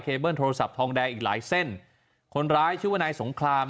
เบิ้ลโทรศัพท์ทองแดงอีกหลายเส้นคนร้ายชื่อว่านายสงคราม